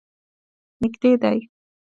نږدې دی.